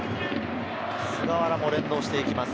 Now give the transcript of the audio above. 菅原も連動していきます。